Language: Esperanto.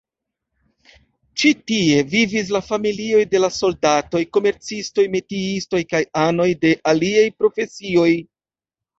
Ĉi- tie vivis la familioj de la soldatoj, komercistoj, metiistoj kaj anoj de aliaj profesioj.